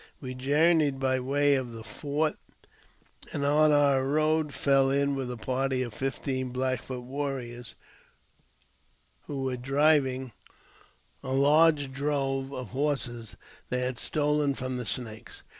We journeyed by way of i the Fort, and on our road fell in with a party of fifteen Black J Foot warriors, who were driving a large drove of horses they I had stolen from the Snakes.